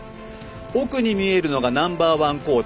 奥に見えるのがナンバー１コート。